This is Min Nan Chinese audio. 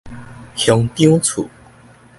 鄉長厝